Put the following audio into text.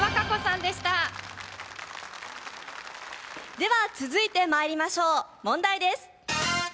では、続いてまいりましょう、問題です。